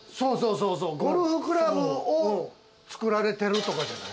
そうそう、ゴルフクラブを作られてるとかじゃない？